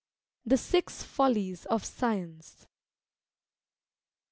THE SIX FOLLIES OF SCIENCE.